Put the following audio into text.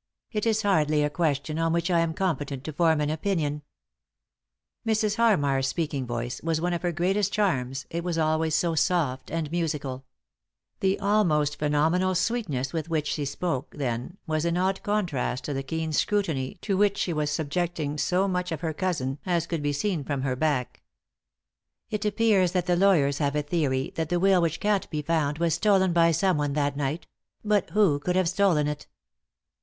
" It is hardly a question on which I am competent to form an opinion." Mrs. Harmar's speaking voice was one of her greatest charms, it was always so soft and musical. The almost phenomenal sweetness with which she spoke then was in odd contrast to the keen scrutiny to which she was subjecting so much of her cousin as could be seen from her back. " It appears that the lawyers have a theory that the will which can't be found was stolen by someone that night — but who could have stolen it